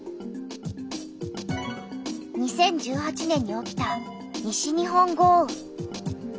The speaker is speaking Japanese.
２０１８年に起きた西日本豪雨。